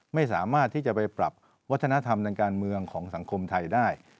ไม่สามารถที่จะไปปรับวัฒนธรรมทางการเมืองของสังคมไทยได้